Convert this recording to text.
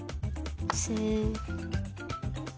スッ。